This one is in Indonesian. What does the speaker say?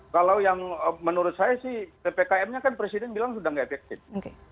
kalau yang menurut saya sih ppkm nya kan presiden bilang sudah tidak efektif